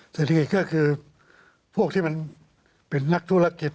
เศรษฐกิจก็คือพวกที่มันเป็นนักธุรกิจ